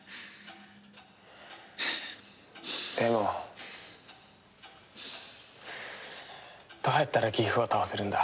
でもどうやったらギフを倒せるんだ？